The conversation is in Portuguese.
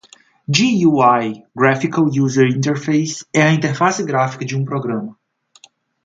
GUI (Graphical User Interface) é a interface gráfica de um programa.